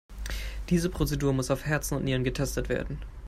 Diese Prozedur muss auf Herz und Nieren getestet werden.